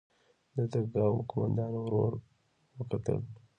د تګاو قوماندان ورور وکتل.